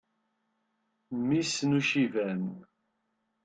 Mmi-s n Uciban.